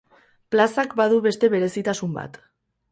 Plazak badu beste berezitasun bat.